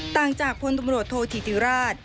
ต่างจากพลตำรวจโทษธิติราช